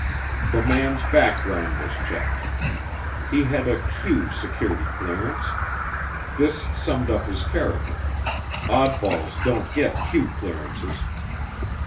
The man's background was checked. He had a "Q" security clearance. This summed up his character, oddballs don't get "Q" clearances.